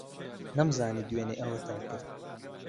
نەمزانی دوێنێ ئەوەتان کرد.